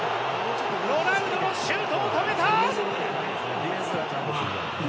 ロナウドのシュートを止めた！